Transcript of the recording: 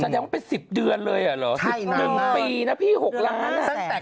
แสดงว่าเป็น๑๐เดือนเลยอ่ะเหรอ๑๑ปีนะพี่๖ล้านอ่ะ